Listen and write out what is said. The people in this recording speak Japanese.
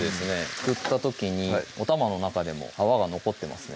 すくった時におたまの中でも泡が残ってますね